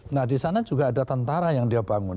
nah di sana juga ada tentara yang dia bangun